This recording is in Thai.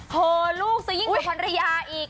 เผลอลูกซะยิ่งอยู่กับภรรยาอีก